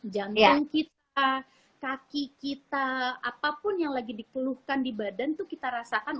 jantung kita kaki kita apapun yang lagi dikeluhkan di badan tuh kita rasakan